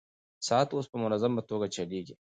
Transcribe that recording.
ساعت اوس په منظمه توګه چلېږي.